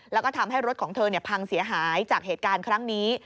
แล้วก็ทำให้รถของเธอพังเสียหายจากเหตุการณ์ครั้งนี้